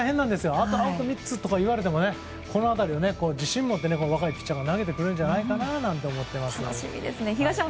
あとアウト３つといわれてもこの辺り、自信を持って若いピッチャーが投げてくれるんじゃないかなと思います。